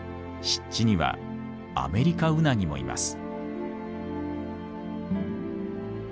湿地にはアメリカウナギもいます。